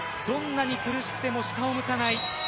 どんなに苦しくても下を向かない。